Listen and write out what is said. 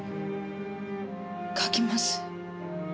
書きます